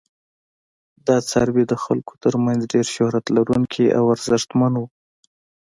دا څاروي د خلکو تر منځ ډیر شهرت لرونکي او ارزښتمن وو.